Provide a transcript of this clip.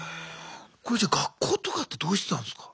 じゃあ学校とかってどうしてたんですか。